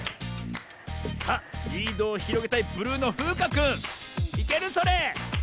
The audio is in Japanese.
さあリードをひろげたいブルーのふうかくんいけるそれ？